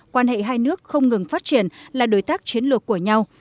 quan hệ hai nước không ngừng phát triển là đối tác chiến lược của nhau